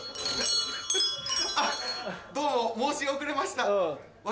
あっどうも申し遅れました私。